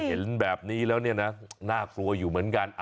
โอ้โหเห็นแบบนี้แล้วนะน่ากลัวอยู่เหมือนกัน